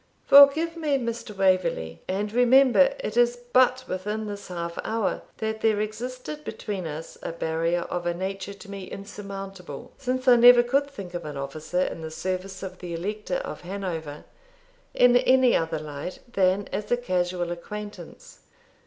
'Forgive me, Mr. Waverley and remember it is but within this half hour that there existed between us a barrier of a nature to me insurmountable, since I never could think of an officer in the service of the Elector of Hanover in any other light than as a casual acquaintance.